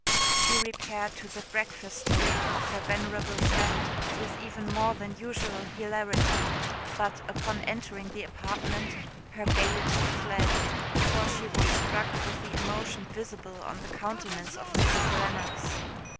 She repaired to the breakfast table of her venerable friend with even more than usual hilarity; but, upon entering the apartment, her gaiety fled; for she was struck with the emotion visible on the countenance of Mrs. Lennox.